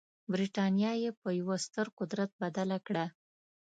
برټانیه یې په یوه ستر قدرت بدله کړه.